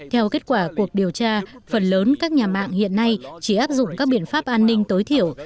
theo kết quả cuộc điều tra phần lớn các nhà mạng hiện nay chỉ áp dụng các biện pháp an ninh tối thiểu